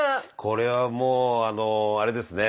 これはもうあのあれですね